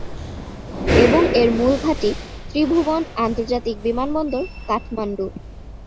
এবং এর মুল ঘাঁটি ত্রিভুবন আন্তর্জাতিক বিমানবন্দর, কাঠমান্ডু।